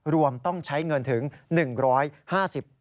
รวมต้องใช้เงินถึง๑๕๐บาท